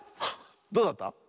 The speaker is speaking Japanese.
どうだった？